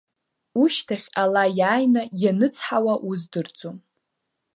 Ушьҭахь ала иааины ианыцҳауа уздырӡом.